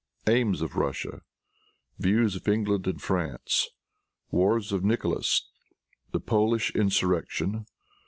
Aims of Russia. Views of England and France. Wars of Nicholas. The Polish Insurrection.